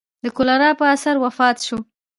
د کولرا په اثر وفات شو.